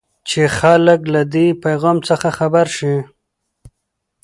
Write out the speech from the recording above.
چې خلک له دې پيفام څخه خبر شي.